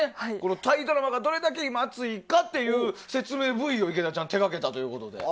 タイドラマがどれだけ今、熱いかという説明Ｖを池田ちゃんが手掛けたということで。